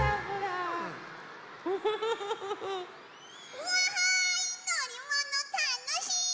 うわいのりものたのしい！